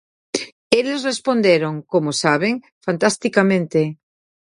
Eles responderon, como saben, fantasticamente.